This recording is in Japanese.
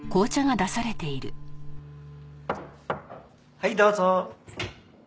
はいどうぞ。